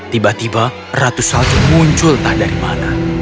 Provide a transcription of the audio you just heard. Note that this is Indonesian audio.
tiba tiba ratus salju muncul tak dari mana